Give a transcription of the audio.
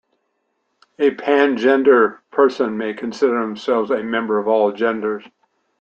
A pangender person may consider themselves a member of all genders.